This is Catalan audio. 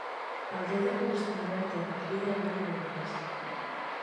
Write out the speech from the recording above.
El deu d'agost na Berta i na Frida van a Golmés.